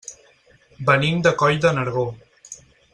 Venim de Coll de Nargó.